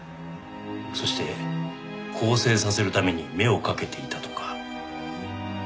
そして更生させるために目をかけていたとか。